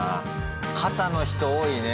肩の人多いね。